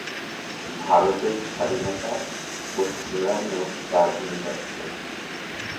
ভারতের স্বাধীনতা-সংগ্রামেও তার ভূমিকা ছিল।